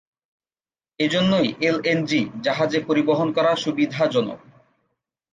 এ জন্যই এলএনজি জাহাজে পরিবহন করা সুবিধাজনক।